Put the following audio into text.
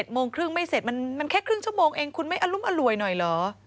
โมงครึ่งไม่เสร็จมันแค่ครึ่งชั่วโมงเองคุณไม่อรุมอร่วยหน่อยเหรอ